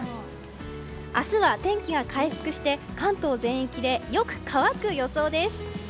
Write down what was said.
明日は天気は回復して関東全域でよく乾く予想です。